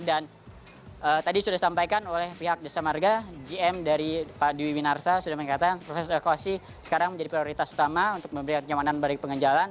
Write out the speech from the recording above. dan tadi sudah disampaikan oleh pihak desa marga gm dari pak dewi winarsa sudah mengatakan proses rekuasi sekarang menjadi prioritas utama untuk memberikan kemanan bagi pengen jalan